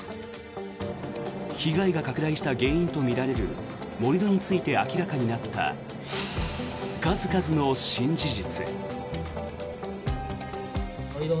被害が拡大した原因とみられる盛り土について明らかになった数々の新事実。